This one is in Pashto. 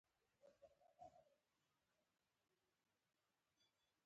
د وېښتیانو مناسب پرېکول یې ودې ته ګټه لري.